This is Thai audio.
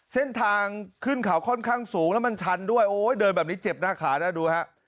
เส้นทางขึ้นเขาค่อนข้างสูงแล้วมันชันด้วยโอ้ยเดินแบบนี้เจ็บหน้าขานะดูฮะ